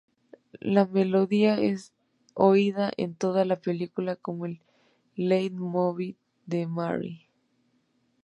La melodía es oída en toda la película como el leitmotiv de Mary.